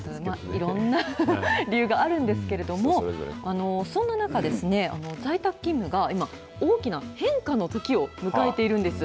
いろんな理由があるんですけれども、そんな中で、在宅勤務が今、大きな変化の時を迎えているんです。